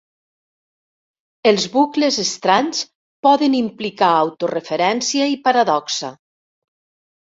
Els bucles estranys poden implicar autoreferència i paradoxa.